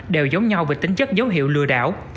đều giống nhau về tính chất dấu hiệu lừa đảo